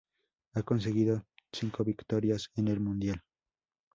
Ha conseguido cinco victorias en el mundial.